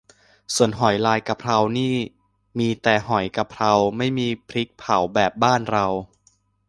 ส่วนหอยลายกะเพรานี่มีแต่หอยกะกะเพรา ไม่มีพริกเผาแบบบ้านเรา